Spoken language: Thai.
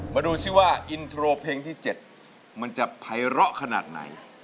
มาดูซิว่าอินโทรเพลงที่๗มันจะไพร้อขนาดไหน